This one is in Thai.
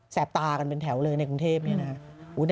แปบตากันเป็นแถวเลยในกรุงเทพเนี่ยนะ